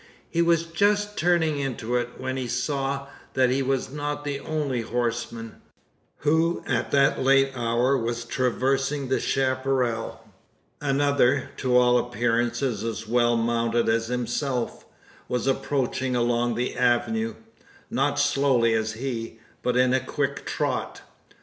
He was just turning into it, when he saw, that he was not the only horseman, who at that late hour was traversing the chapparal. Another, to all appearance as well mounted as himself, was approaching along the avenue not slowly as he, but in a quick trot.